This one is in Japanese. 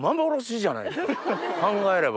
考えれば。